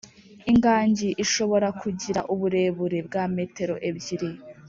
Ingagi ishobora kugira uburebure bwa metero ebyiri